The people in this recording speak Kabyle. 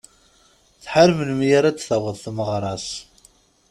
Tḥar melmi ara d-taweḍ tmeɣra-s.